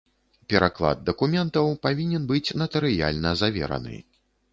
Пераклад дакументаў павінен быць натарыяльна завераны.